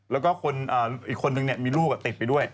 แล้วก็อีกคนนึงมีลูกติดไปด้วย